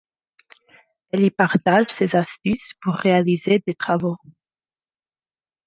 Elle y partage ses astuces pour réaliser des travaux.